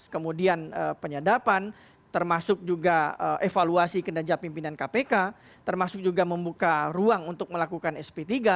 kemudian penyadapan termasuk juga evaluasi kinerja pimpinan kpk termasuk juga membuka ruang untuk melakukan sp tiga